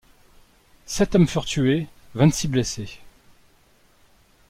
Sept hommes furent tués, vingt-six blessés.